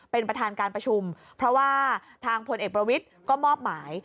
เป็นประธานการประชุมเพราะว่าทางพลเอกประวิทย์ก็มอบหมาย